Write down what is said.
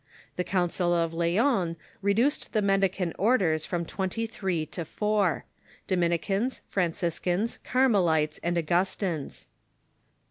The Council of Lyons reduced the mendicant orders from twenty three to foui — Do minicans, Franciscans, Carmelites, and Augustines.